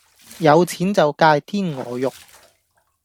有錢就界天鵝肉